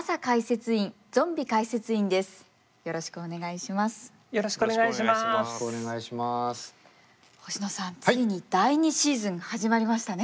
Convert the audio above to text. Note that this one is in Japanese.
ついに第２シーズンが始まりましたね。